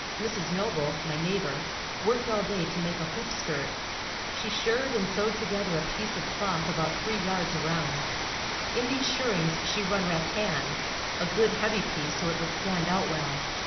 Mrs. Noble, my neighbor worked all day to make a hoop skirt. She shirred and sewed together a piece of cloth about three yards around. In these shirrings she run rattan a good heavy piece so it would stand out well.